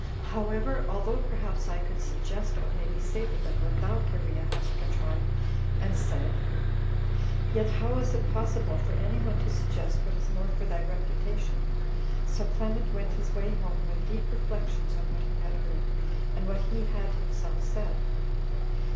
"However, although perhaps I could suggest what may be safer than what thou, Cherea, hast contrived and said, yet how is it possible for any one to suggest what is more for thy reputation?" So Clement went his way home, with deep reflections on what he had heard, and what he had himself said.